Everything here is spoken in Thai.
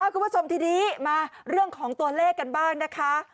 คุณผู้ชมทีนี้มาเรื่องของตัวเลขกันบ้างนะคะ